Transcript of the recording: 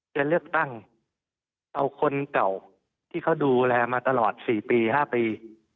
จะเลือกตั้งเอาคนเก่าที่เขาดูแลมาตลอด๔ปี๕ปี